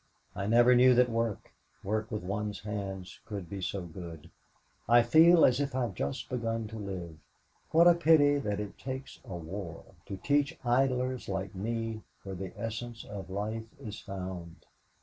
I never knew that work work with one's hands could be so good. I feel as if I'd just begun to live. What a pity that it takes a war to teach idlers like me where the essence of life is found!